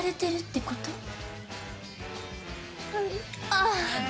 ああ。